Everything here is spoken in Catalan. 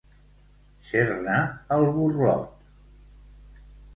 Ser-ne el burlot.